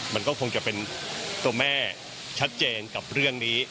มันก็คงจะเป็นตัวแม่ชัดเจนกับเรื่องนี้